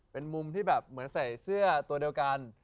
เป็นมุมที่แบบเหมือนใส่เสื้อตัวเดียวกัน